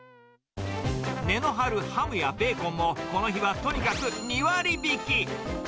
値の張るハムやベーコンも、この日はとにかく２割引き。